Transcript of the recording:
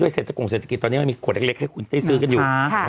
เศรษฐกงเศรษฐกิจตอนนี้มันมีขวดเล็กให้คุณได้ซื้อกันอยู่